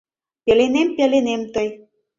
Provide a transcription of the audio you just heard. Пеленем, пеленем, тый.